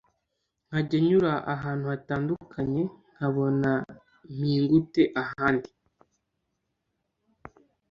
nkajya nyura ahantu hatandukanye nkabona mpingute ahandi